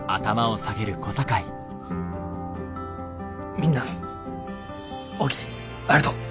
みんなおおきにありがとう。